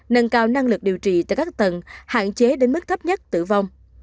nâng cao năng lực điều trị tại các tầng hạn chế đến mức thấp nhất tử vong